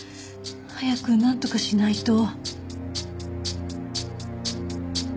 早くなんとかしないと。